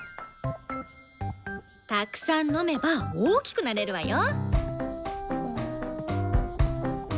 たくさん飲めば大きくなれるわよ。